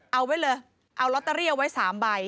เอาไว้เลยเอาลอตเตอรี่เอาไว้๓ใบ